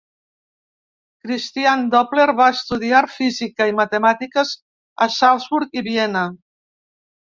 Christian Doppler va estudiar física i matemàtiques a Salzburg i Viena.